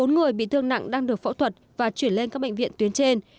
bốn người bị thương nặng đang được phẫu thuật và chuyển lên các bệnh viện tuyến trên